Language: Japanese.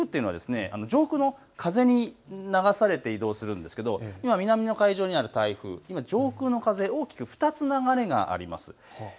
台風というのは上空の風に流されて移動するんですが南の海上にある台風、上空の風、大きく２つ流れがあります。